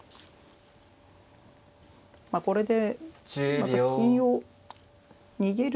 まあこれでまた金を逃げる。